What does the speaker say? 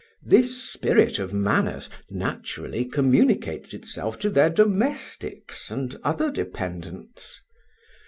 This spirit of manners naturally communicates itself to their domestics and other dependants.